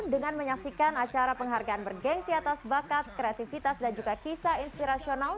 dengan menyaksikan acara penghargaan bergensi atas bakat kreativitas dan juga kisah inspirasional